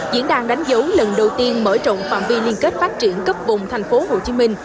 diễn đàn đánh dấu lần đầu tiên mở rộng phạm vi liên kết phát triển cấp vùng thành phố hồ chí minh